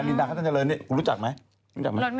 ลินดาคาชันเจริญเนี่ยรู้จักไหม